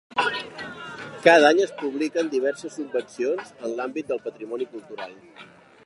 Cada any es publiquen diverses subvencions en l'àmbit del patrimoni cultural.